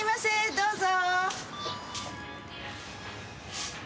どうぞ！